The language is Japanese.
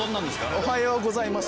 おはようございます！